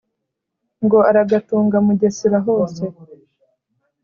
ngo uragatunga mugesera hose.